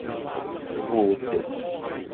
Budd.